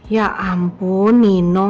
ya ampun nino